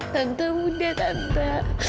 tante udah tante